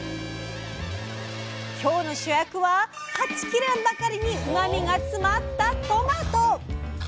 今日の主役ははち切れんばかりにうまみが詰まったトマト！